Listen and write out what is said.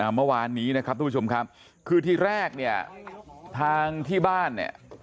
เมื่อวานนี้นะครับทุกผู้ชมครับคือที่แรกเนี่ยทางที่บ้านเนี่ย